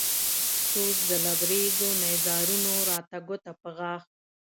سوز د لبرېزو نيزارونو راته ګوته په غاښ